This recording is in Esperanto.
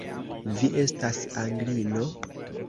Vi estas Anglino?